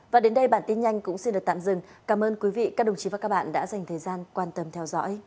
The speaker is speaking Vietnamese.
hãy đăng ký kênh để ủng hộ kênh mình nhé